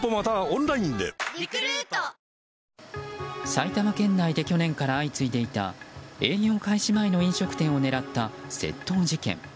埼玉県内で去年から相次いでいた営業開始前の飲食店を狙った窃盗事件。